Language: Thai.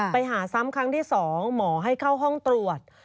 ไปหาซ้ำครั้งที่๒หมอให้เข้าห้องตรวจ